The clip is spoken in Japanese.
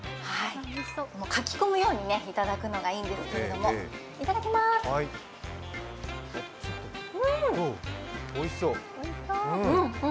かき込むようにいただくのがいいんですけれどもいただきまーす、うん。